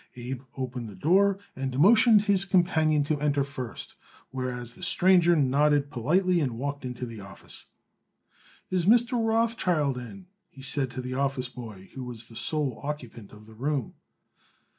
Abe opened the door and motioned his companion to enter first, whereat the stranger nodded politely and walked into the office. "Is Mr. Rothschild in?" he said to the office boy, who was the sole occupant of the room.